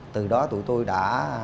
từ đó tụi tôi đã